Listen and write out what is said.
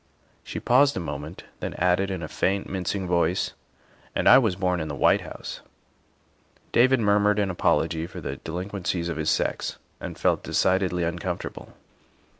She paused a moment, then added in a faint, mincing voice, " And 7 was born in the White House." David murmured an apology for the delinquencies of his sex and felt decidedly uncomfortable.